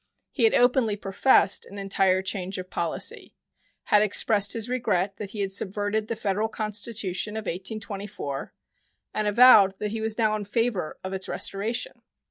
He had openly professed an entire change of policy, had expressed his regret that he had subverted the federal constitution of 1824, and avowed that he was now in favor of its restoration.